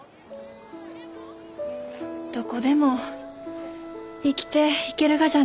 どこでも生きていけるがじゃね。